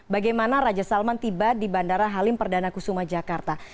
bagaimana raja salman tiba di bandara halim perdana kusuma jakarta